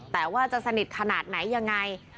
แต่ว่าจะสนิทขนาดไหนยังไง